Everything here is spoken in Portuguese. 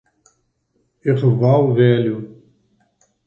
Erval Velho